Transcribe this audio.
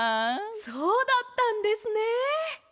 そうだったんですね。